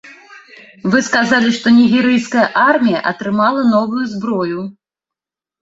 Вы сказалі, што нігерыйская армія атрымала новую зброю.